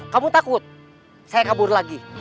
kamu takut saya kabur lagi